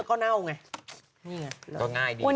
ก็ง่ายตัวนึง